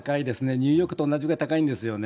ニューヨークと同じぐらい高いんですよね。